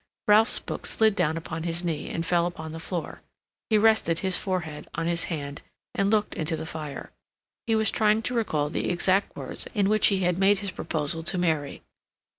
Ralph's book slid down upon his knee and fell upon the floor. He rested his forehead on his hand and looked into the fire. He was trying to recall the exact words in which he had made his proposal to Mary.